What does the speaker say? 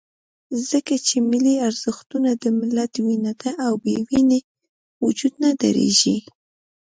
ځکه چې ملي ارزښتونه د ملت وینه ده، او بې وینې وجود نه درېږي.